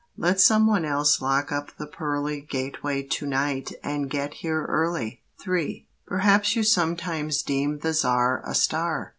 Let some one else lock up the pearly Gateway to night and get here early!" III. Perhaps you sometimes deem the Czar A star?